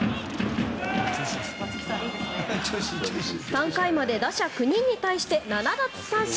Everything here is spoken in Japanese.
３回まで打者９人に対して７奪三振。